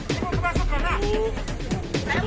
kau tahu dia campur tau